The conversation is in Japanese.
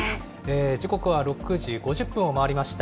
時刻は６時５０分を回りました。